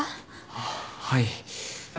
あっはい。